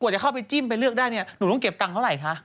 จะเข้าไปจิ้มไปเลือกได้เนี่ยหนูต้องเก็บตังค์เท่าไหร่คะ